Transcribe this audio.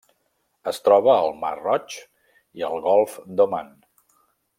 Es troba al Mar Roig i el Golf d'Oman.